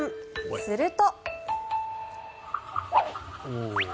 すると。